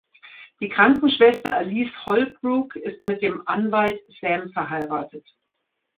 Die Krankenschwester Alice Holbrook ist mit dem Anwalt Sam verheiratet.